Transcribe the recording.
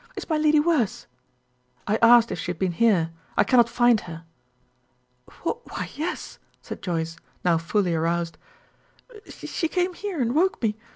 Is my lady worse?" "I asked if she had been here. I cannot find her." "Why, yes," said Joyce, now fully aroused. "She came here and woke me.